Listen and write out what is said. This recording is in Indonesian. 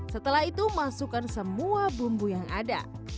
setelah itu masukkan semua bumbu yang ada